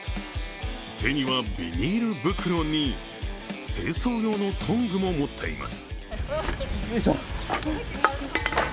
手にはビニール袋に、清掃用のトングも持っています。